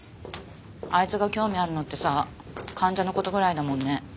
あいつが興味あるのってさ患者のことぐらいだもんね。